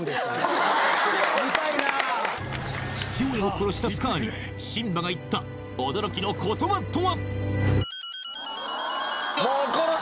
見たいなあ父親を殺したスカーにシンバが言った驚きの言葉とは？